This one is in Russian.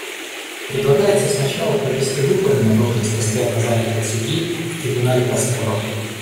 Предлагается сначала провести выборы на должность постоянно занятого судьи в Трибунале по спорам.